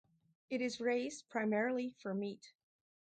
It is raised primarily for meat.